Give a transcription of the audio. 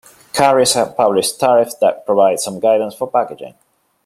Carriers have published tariffs that provide some guidance for packaging.